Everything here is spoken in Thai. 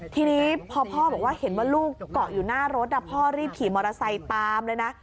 ทีนี้พอพ่อบอกว่าเห็นว่าลูกเกาะอยู่หน้ารถพ่อรีบขี่มอเตอร์ไซค์ตามเลยนะ